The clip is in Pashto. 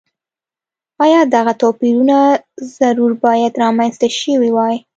ایا دغه توپیرونه ضرور باید رامنځته شوي وای.